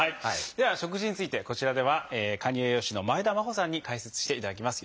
では食事についてこちらでは管理栄養士の前田真歩さんに解説していただきます。